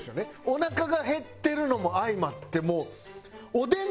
おなかが減ってるのも相まってもう。